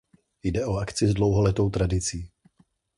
Jde o akci s dlouholetou tradicí.